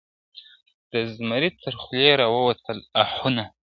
د زمري تر خولې را ووتل آهونه ,